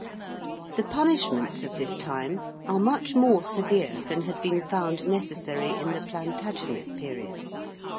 ] The punishments of this time are much more severe than had been found necessary in the Plantagenet period.